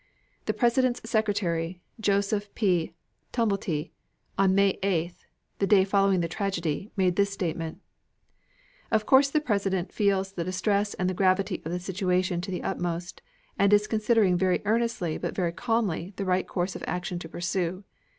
The President's Secretary, Joseph P. Tumulty, on May 8th, the day following the tragedy, made this statement: Of course the President feels the distress and the gravity of the situation to the utmost, and is considering very earnestly but very calmly, the right course of action to pursue.